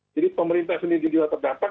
jadi pemerintah sendiri juga terdampak